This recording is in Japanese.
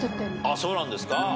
そうなんですか。